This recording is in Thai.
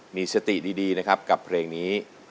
มีสติดีนะครับกับเพลงนี้